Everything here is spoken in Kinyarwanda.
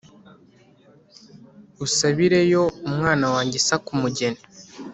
usabireyo umwana wanjye Isaka umugeni